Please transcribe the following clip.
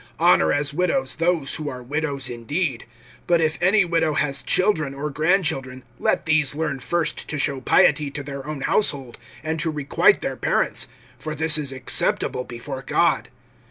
(3)Honor as widows those who are widows indeed. (4)But if any widow has children or grand children, let these learn first to show piety to their own household, and to requite their parents, for this is acceptable before God.